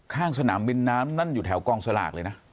ข้างสนามบินน้ำนั่นอยู่แถวกองสลากเลยนะ